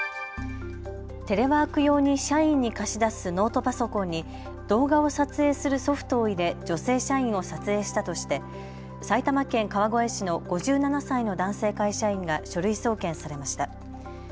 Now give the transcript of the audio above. テレワーク用に社員に貸し出すノートパソコンに動画を撮影するソフトを入れ女性社員を撮影したとして埼玉県川越市の５７歳の男性会社員が書類送検されました。